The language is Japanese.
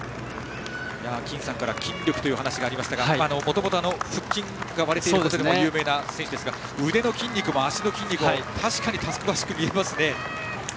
金さんから筋力という話がありましたがもともと、腹筋が割れているでも有名な選手ですけども腕の筋肉も足の筋肉も確かにたくましく見えますね。